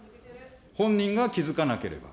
本人が気付かなければ。